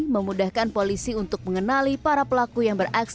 memudahkan polisi untuk mengenali para pelaku yang beraksi